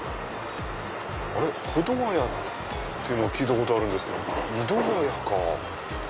保土ヶ谷っていうのは聞いたことあるんですけど井土ヶ谷か。